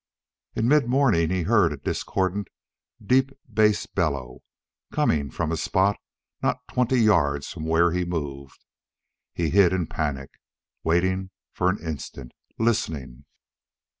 In mid morning he heard a discordant, deep bass bellow, coming from a spot not twenty yards from where he moved. He hid in panic, waiting for an instant, listening.